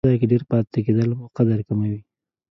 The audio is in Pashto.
په یو ځای کې ډېر پاتې کېدل مو قدر کموي.